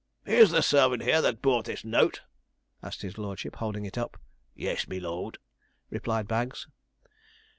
'Is the servant here that brought this note?' asked his lordship, holding it up. 'Yes, me lord,' replied Bags.